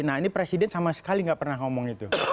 nah ini presiden sama sekali nggak pernah ngomong itu